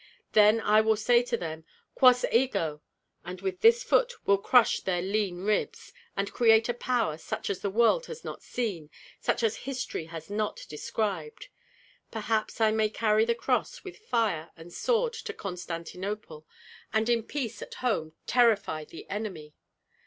Then I will say to them, Quos ego! and with this foot will crush their lean ribs, and create a power such as the world has not seen, such as history has not described; perhaps I may carry the cross with fire and sword to Constantinople, and in peace at home terrify the enemy.